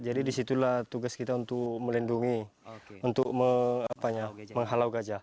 jadi disitulah tugas kita untuk melindungi untuk menghalau gajah